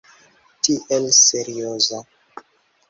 Tiel serioza!